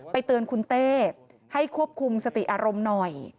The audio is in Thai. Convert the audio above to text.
เตือนคุณเต้ให้ควบคุมสติอารมณ์หน่อย